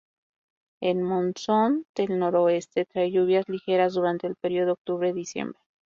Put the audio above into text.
El monzón del noroeste trae lluvias ligeras durante el período octubre-diciembre.